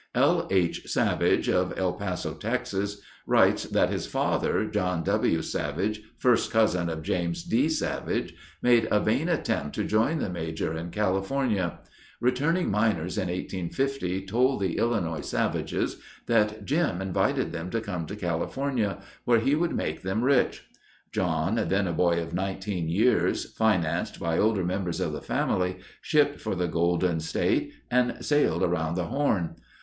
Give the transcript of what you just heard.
L. H. Savage of El Paso, Texas, writes that his father, John W. Savage, first cousin of James D. Savage, made a vain attempt to join the Major in California. Returning miners in 1850 told the Illinois Savages that "Jim" invited them to come to California, where he would make them rich. John, then a boy of nineteen years, financed by older members of the family, shipped for the Golden State and sailed around the Horn.